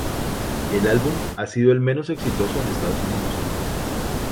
El álbum ha sido el menos exitoso en Estados Unidos.